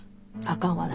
あかん私。